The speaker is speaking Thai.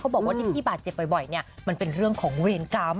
บอกว่าที่พี่บาดเจ็บบ่อยเนี่ยมันเป็นเรื่องของเวรกรรม